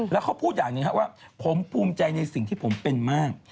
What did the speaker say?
แล้วเขาพูดอย่างหนึ่งว่าผมภูมิใจในสิ่งที่ผมเป็นมาก